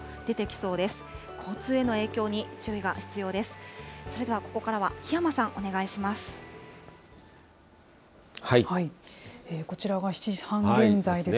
それではここからは檜山さん、お願いします。